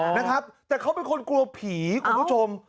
แต่เขาน่เกล้ากลว้โผีพ่อผู้ชม